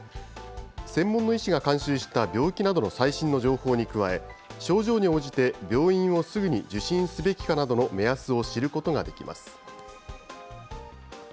専門の医師が監修した病気などの最新の情報に加え、症状に応じて病院をすぐに受診すべきかなどの目安を知ることができます。